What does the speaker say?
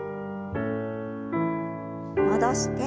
戻して。